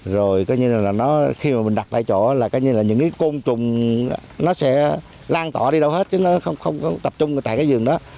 rồi coi như là nó khi mà mình đặt tại chỗ là coi như là những cái côn trùng nó sẽ lan tỏa đi đâu hết chứ nó không tập trung tại cái giường đó